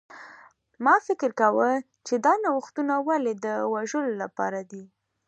ما فکر کاوه چې دا نوښتونه ولې د وژلو لپاره دي